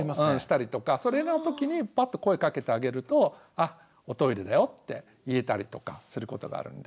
それの時にパッと声かけてあげるとあっおトイレだよって言えたりとかすることがあるんで。